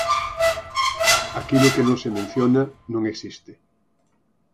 Aquilo que non se menciona, non existe.